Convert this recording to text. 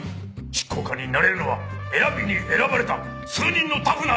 執行官になれるのは選びに選ばれた数人のタフなエリートだけだ！